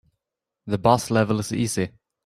The boss level is easy.